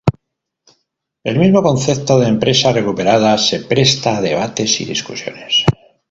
El mismo concepto de empresa recuperada se presta a debates y discusiones.